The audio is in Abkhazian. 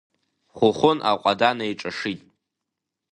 Хәыхәын аҟәада неиҿашит.